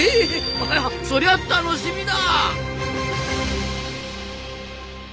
あそりゃ楽しみだ！